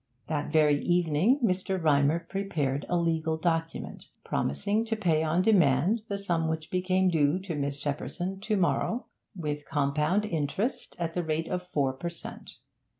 That very evening Mr. Rymer prepared a legal document, promising to pay on demand the sum which became due to Miss Shepperson to morrow, with compound interest at the rate of four per cent.